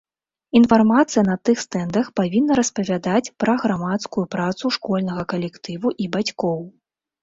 Інфармацыя на тых стэндах павінна распавядаць пра грамадскую працу школьнага калектыву і бацькоў.